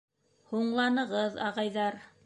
Һуңланығыҙ, ағайҙар!